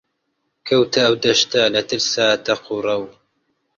کەوتە ئەو دەشتە لە ترسا تەق و ڕەو